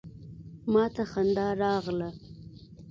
ما ته خندا راغله.